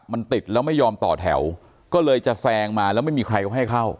มันติดแล้วไม่ยอมต่อแถวก็เลยจะแซงมาแล้วไม่มีใครเขาให้เข้า